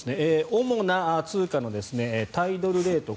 主な通貨の対ドルレート